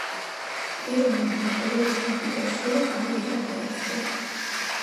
პერონმა დატოვა ჯგუფი და სოლო-კარიერა დაიწყო.